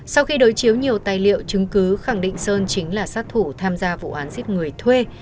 sau khi đối chiếu nhiều tài liệu chứng cứ khẳng định sơn chính là sát thủ tham gia vụ án giết người thuê